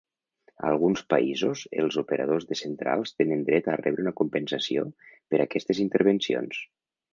En alguns països els operadors de centrals tenen dret a rebre una compensació per aquestes intervencions.